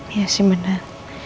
iya sih bener